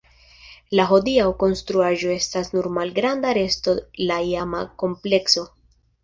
La hodiaŭa konstruaĵo estas nur malgranda resto la iama komplekso.